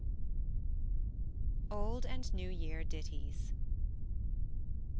OLD AND NEW YEAR DITTIES.